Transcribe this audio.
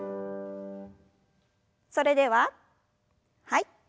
それでははい。